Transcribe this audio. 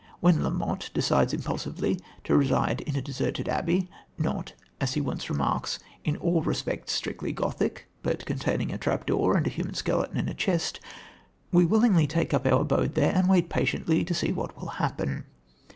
When La Motte decides impulsively to reside in a deserted abbey, "not," as he once remarks, "in all respects strictly Gothic," but containing a trap door and a human skeleton in a chest, we willingly take up our abode there and wait patiently to see what will happen.